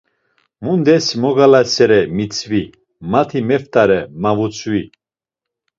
Mundes megalasere mitzvi, mati moft̆are, ma vutzvi.